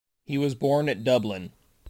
He was born at Dublin.